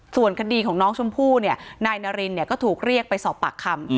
ส่วนคดีของน้องชมพู่นายนารินก็ถูกเรียกไปสอบปากคำ